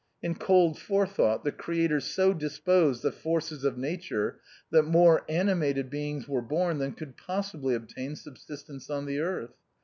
In cold forethought, the Creator so disposed the forces of nature that more ani mated beings were born than could possibly obtain subsistence on the earth.